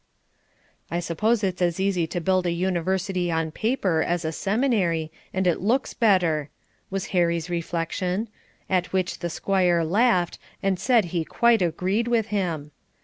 "I suppose it's as easy to build a University on paper as a Seminary, and it looks better," was Harry's reflection; at which the Squire laughed, and said he quite agreed with him.